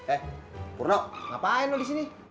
eh purno ngapain lo disini